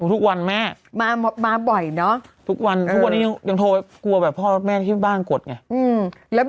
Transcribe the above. อุ้ยทุกวันแม่